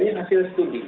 ini hasil studi